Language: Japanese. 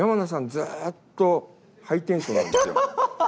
ずっとハイテンションなんですよ。